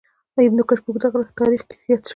هندوکش په اوږده تاریخ کې ذکر شوی.